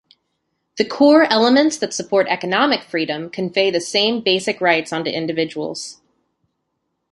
The core elements that support economic freedom convey the same basic rights onto individuals.